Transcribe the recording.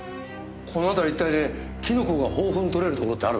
この辺り一帯でキノコが豊富に採れるところってある？